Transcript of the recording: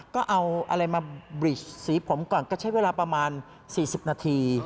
ก็เอาอะไรมาบรีชสีผมก่อนก็ใช้เวลาประมาณ๔๐นาที